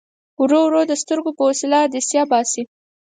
ورو ورو د سترګو په وسیله عدسیه باسي.